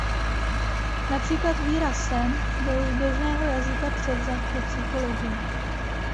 Například výraz "sen" byl z běžného jazyka převzat do psychologie.